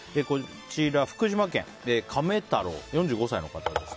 福島県、４５歳の方です。